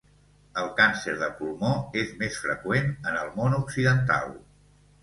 El càncer de pulmó és més freqüent en el món occidental.